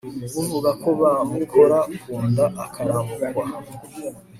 uvuga ko ba mukora ku nda akaramukwa